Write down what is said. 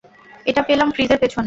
এটা পেলাম ফ্রিজের পেছনে।